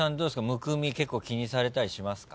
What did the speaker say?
むくみ気にされたりしますか？